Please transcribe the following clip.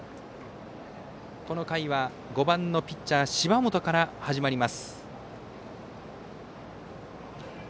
この回は、５番のピッチャー芝本から始まります。